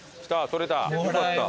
取れた！